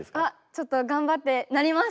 ちょっと頑張ってなります！